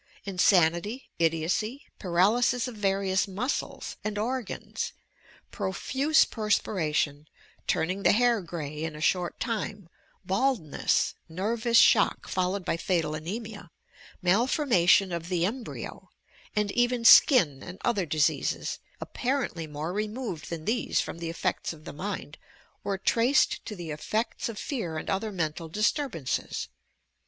Insanity, idiocy, paralysis of varioua muscles and organs, profuse perspiration, turning the hair grey in a short time, baldness, nervous shock fol k. 26 TOOK PSYCHIC POWERS I lowed by fatal anemia, mal formation of the embryo, and even skin and other diseases, apparently more re moved than these from the effects of the mind, were traced to the effects of fear and other mental disturb ances.